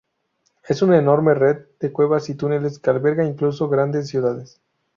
Es una enorme red de cuevas y túneles que alberga incluso grandes ciudades.